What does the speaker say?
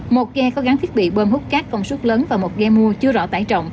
một ghe có gắn thiết bị bơm hút cát công suất lớn và một ghe mua chưa rõ tải trọng